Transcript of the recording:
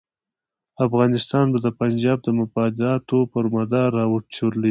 افغانستان به د پنجاب د مفاداتو پر مدار را وچورلېږي.